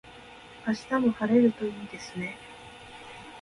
明日も晴れるといいですね。